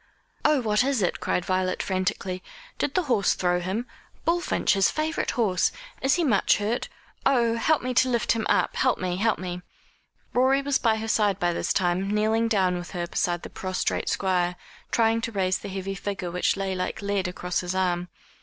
"Oh, what is it?" cried Violet frantically. "Did the horse throw him? Bullfinch, his favourite horse. Is he much hurt? Oh, help me to lift him up help me help me!" Rorie was by her side by this time, kneeling down with her beside the prostrate Squire, trying to raise the heavy figure which lay like lead across his arm.